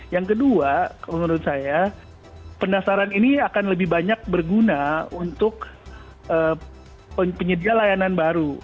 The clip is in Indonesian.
yang kedua menurut saya pendasaran ini akan lebih banyak berguna untuk penyedia layanan baru